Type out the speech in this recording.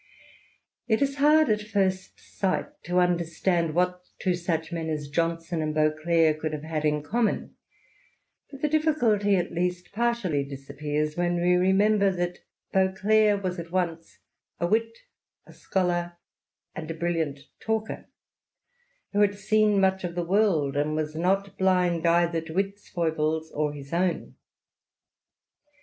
It is hard at first sight to understand what two such men as Johnson and Beauclerk could have had in common; but the difficulty at least partially disappears when we remember that Beauclerk was at once a wit, a scholar, and a brilliant talker, who had seen much of the world, and was not blind either to its foibles or his own.